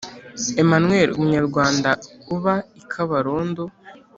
Emmanuel umunyarwanda uba i Kabarondo